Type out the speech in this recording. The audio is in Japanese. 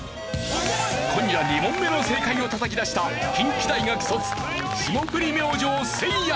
今夜２問目の正解を叩き出した近畿大学卒霜降り明星せいや。